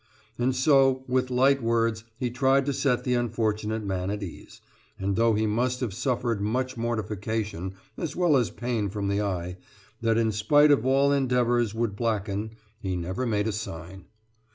And so with light words he tried to set the unfortunate man at ease, and though he must have suffered much mortification as well as pain from the eye that in spite of all endeavours would blacken he never made a sign.